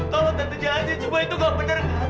kalau tante jahatnya cuma itu nggak bener kak